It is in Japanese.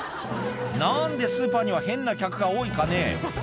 何でスーパーには変な客が多いかね？